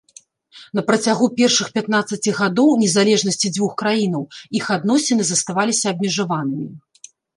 На працягу першых пятнаццаці гадоў незалежнасці дзвюх краінаў, іх адносіны заставаліся абмежаванымі.